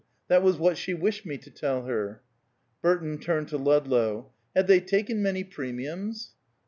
That was what she wished me to tell her." Burton turned to Ludlow. "Had they taken many premiums?"